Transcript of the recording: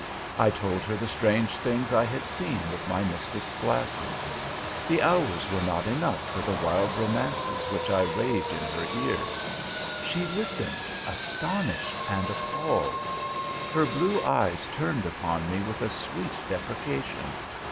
I told her the strange things I had seen with my mystic glasses. The hours were not enough for the wild romances which I raved in her ear. She listened, astonished and appalled. Her blue eyes turned upon me with a sweet deprecation.